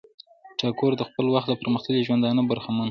ټاګور د خپل وخت د پرمختللی ژوندانه برخمن وو.